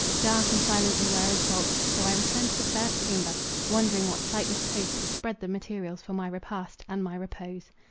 Dark and silent they were as vaults; so I returned to the first chamber, wondering what sightless host had spread the materials for my repast, and my repose.